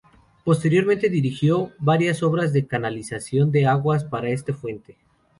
Posteriormente dirigió varias obras de canalización de aguas para esta fuente.